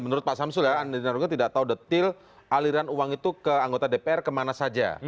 menurut pak samsul ya andina rogong tidak tahu detil aliran uang itu ke anggota dpr kemana saja